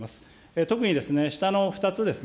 特に下の２つですね。